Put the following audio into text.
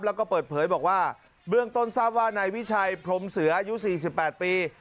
แล้วก็เปิดเผยบอกว่าเบื้องต้นทราบว่านายวิชัยพรมเสืออายุ๔๘ปี